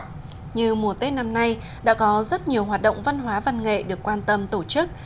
như mùa tết năm nay đã có rất nhiều hoạt động văn hóa văn nghệ được quan tâm tổ chức